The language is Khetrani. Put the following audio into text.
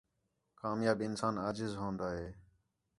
کامیاب انسان عاجز ہون٘دا ہے